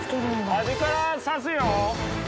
端から差すよ。